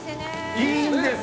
いいんです！